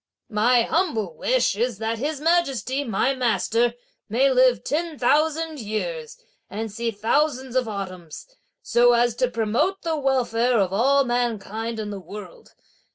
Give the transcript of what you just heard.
My humble wish is that His Majesty, my master, may live ten thousand years and see thousands of autumns, so as to promote the welfare of all mankind in the world!